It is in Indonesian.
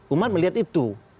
umat melihat itu